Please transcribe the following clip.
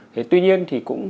thế tuy nhiên thì cũng